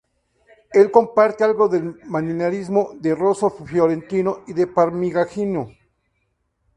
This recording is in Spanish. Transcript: Él comparte algo del manierismo de Rosso Fiorentino y de Parmigianino.